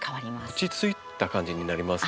落ち着いた感じになりますね。